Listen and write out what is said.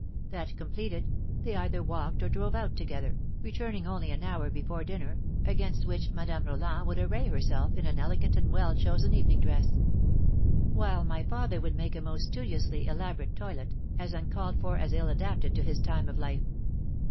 that completed, they either walked or drove out together, returning only an hour before dinner, against which, Madame Roland would array herself in an elegant and well chosen evening dress; while my father would make a most studiously elaborate toilet, as uncalled for as ill adapted to his time of life.